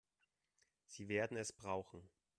Sie werden es brauchen.